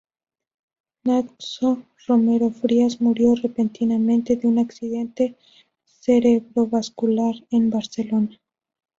Natxo Romero Frías murió repentinamente de un accidente cerebrovascular en Barcelona.